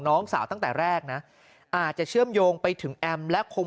น้องสาวตั้งแต่แรกนะอาจจะเชื่อมโยงไปถึงแอมและคง